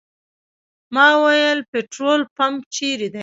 ما وویل پټرول پمپ چېرې دی.